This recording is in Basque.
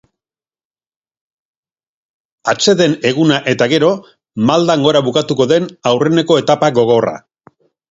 Atseden eguna eta gero maldan gora bukatuko den aurreneko etapa gogorra.